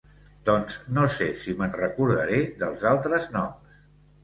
Doncs no sé si m'enrecordaré dels altres noms.